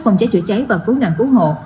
phòng cháy chữa cháy và khứ nạn khứ hộ